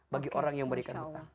bagi orang yang memberikan hutang